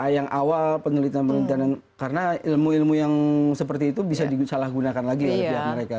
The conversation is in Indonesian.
yang awal penelitian penelitian karena ilmu ilmu yang seperti itu bisa disalahgunakan lagi oleh pihak mereka